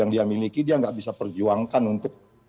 yang dia miliki dia nggak bisa perjuangkan untuk